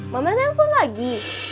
mama telepon lagi